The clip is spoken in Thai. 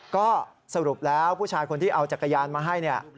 ก็สรุปแล้วผู้ชายคนที่เอาจักรยานมาให้เนี่ย